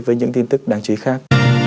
với những tin tức đáng chú ý khác